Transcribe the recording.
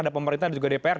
pemerintah juga dpr